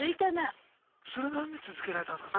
それはなんで続けられたんすか？